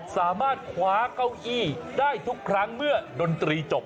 สามารถคว้าเก้าอี้ได้ทุกครั้งเมื่อดนตรีจบ